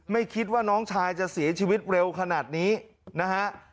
ไม่คิดว่าน้องชายจะเสียชีวิตเร็วขนาดนี้นะฮะ